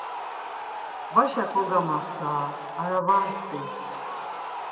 Vaşa ko gamaxta, arabas t̆i!